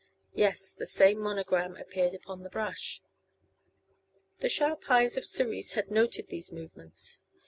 Yes, the same monogram appeared upon the brush. The sharp eyes of Cerise had noted these movements.